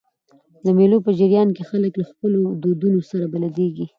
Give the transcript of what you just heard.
د مېلو په جریان کښي خلک له خپلو دودونو سره بلديږي.